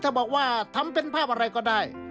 ถ้าบอกว่าทำเป็นภาพอะไรก็ได้